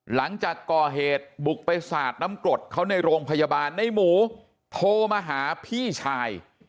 หลังจากก่อเหตุบุกไปสาดน้ำกรดเขาในโรงพยาบาลในหมูโทรมาหาพี่ชาย